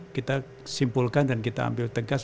kita simpulkan dan kita ambil tegas